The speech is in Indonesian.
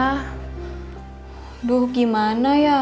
aduh gimana ya